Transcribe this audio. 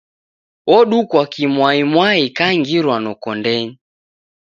Odukwa kimwaimwai kangirwa noko ndenyi.